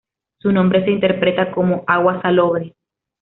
Su nombre se interpreta como ""Agua Salobre"".